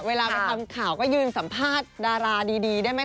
เวลาไปทำข่าวก็ยืนสัมภาษณ์ดาราดีได้ไหม